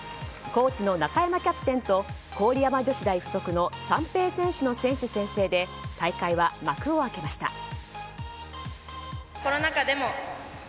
高知の中山キャプテンと郡山女子大附属の三瓶選手の選手宣誓で大会は幕を開けました。